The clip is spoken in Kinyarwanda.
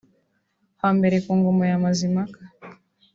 Hambere ku ngoma ya Mazimpaka